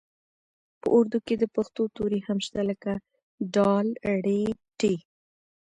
په اردو کې د پښتو توري هم شته لکه ډ ړ ټ